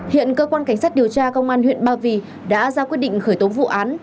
hiện cơ quan cảnh sát điều tra công an huyện ba vì đã ra quyết định khởi tố vụ án